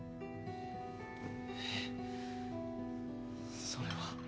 えっそれは。